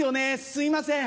すいません。